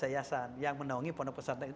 yayasan yang menawangi ponok pesan tren